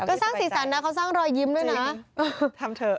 ก็สร้างสีสันนะเขาสร้างรอยยิ้มด้วยนะทำเถอะ